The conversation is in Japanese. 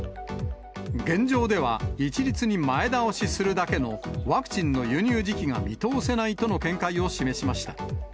現状では一律に前倒しするだけのワクチンの輸入時期が見通せないとの見解を示しました。